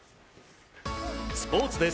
スポーツです。